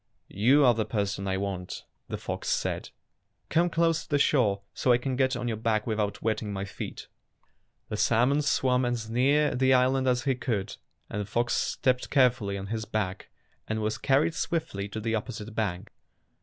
"You are the person I want," the fox 224 Fairy Tale Foxes said. ''Come close to the shore so I can get on your back without wetting my feet.'' The salmon swam as near the island as he could, and the fox stepped carefully on his back and was carried swiftly to the opposite bank.